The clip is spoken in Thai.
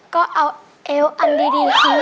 ก็เอาเอวอันดีของหนู